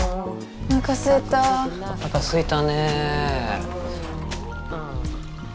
おなかすいたね。